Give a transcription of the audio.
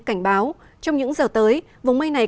cảnh báo trong những giờ tới vùng mây này